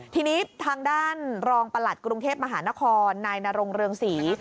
ทีนี้ทางด้านรองประหลัดกรุงเทพมหานครนายนรงเรืองศรี